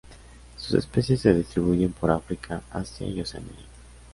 Sus especies se distribuyen por África, Asia y Oceanía.